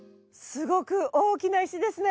すごく大きな石ですね！